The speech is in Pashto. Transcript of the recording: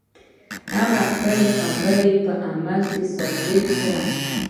هغه خپله خبره په عمل کې ثابته کړه.